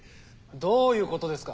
どういうことですか？